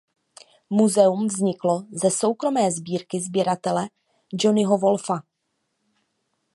Muzeum vzniklo ze soukromé sbírky sběratele Johnnyho Wolfa.